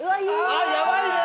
あっやばいね！